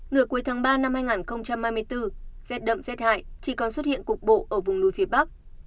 nửa cuối tháng ba năm hai nghìn hai mươi bốn rét đậm rét hại chỉ còn xuất hiện cục bộ ở vùng núi phía bắc